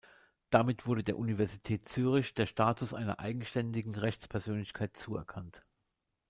Damit wurde der Universität Zürich der Status einer eigenständigen Rechtspersönlichkeit zuerkannt.